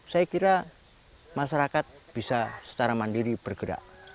saya kira masyarakat bisa secara mandiri bergerak